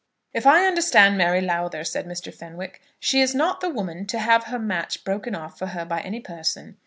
"If I understand Mary Lowther," said Mr. Fenwick, "she is not the woman to have her match broken off for her by any person.